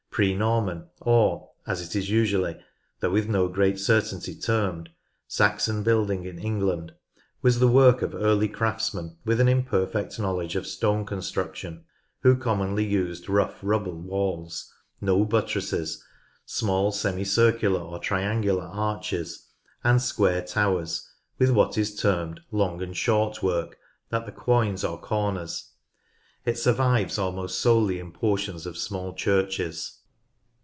Pre Norman or, as it is usually, though with no great certainty termed, Saxon building in England, was the work of early craftsmen with an imperfect knowledge of stone construction, who commonly used rough rubble walls, no buttresses, small semi circular or triangular arches, and square towers with what is termed "long and short work" at the quoins or corners. It survives almost solely in portions of small churches.